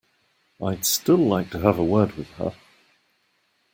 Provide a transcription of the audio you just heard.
I'd still like to have a word with her.